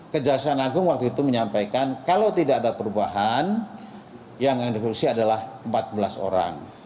kejaksaan agung waktu itu menyampaikan kalau tidak ada perubahan yang dieksekusi adalah empat belas orang